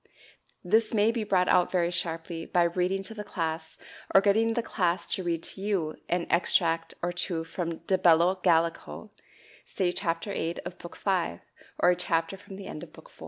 This may be brought out very sharply by reading to the class, or getting the class to read to you, an extract or two from "De Bello Gallico," say Chapter 8 of Book V, or a chapter from the end of Book IV.